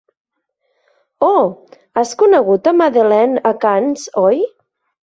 Oh, has conegut a Madeline a Cannes, oi?